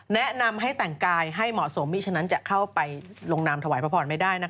แนะนำให้แต่งกายให้เหมาะสมมีฉะนั้นจะเข้าไปลงนามถวายพระพรไม่ได้